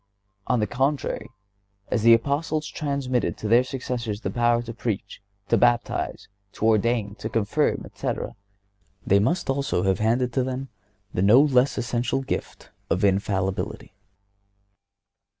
On the contrary, as the Apostles transmitted to their successors their power to preach, to baptize, to ordain, to confirm, etc., they must also have handed down to them the no less essential gift of infallibility.